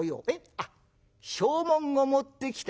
あっ証文を持ってきた？